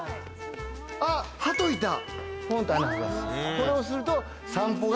これをすると。